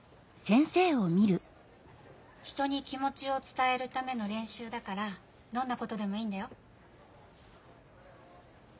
人に気もちをつたえるためのれんしゅうだからどんなことでもいいんだよ。